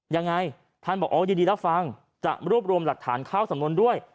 ยังไงท่านบอกอ๋อยินดีรับฟังจะรวบรวมหลักฐานเข้าสำนวนด้วย